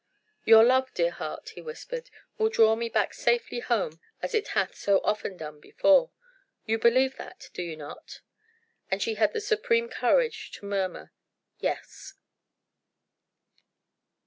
"Your love, dear heart," he whispered, "will draw me back safely home as it hath so often done before. You believe that, do you not?" And she had the supreme courage to murmur: "Yes!"